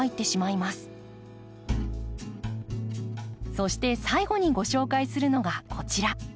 そして最後にご紹介するのがこちら。